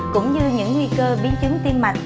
cũng như những nguy cơ biến chứng tim mạch